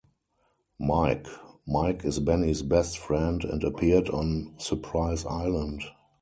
Mike: Mike is Benny's best friend and appeared on Surprise Island.